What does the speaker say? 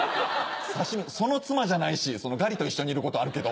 そのツマじゃないしガリと一緒にいることあるけど。